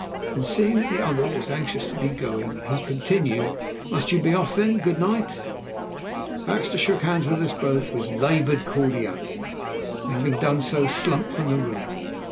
Then seeing that the other was anxious to be going, he continued, "Must you be off? then good night." Baxter shook hands with us both with laboured cordiality, and having done so slunk from the room.